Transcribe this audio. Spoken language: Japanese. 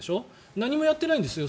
何もやってないんですよ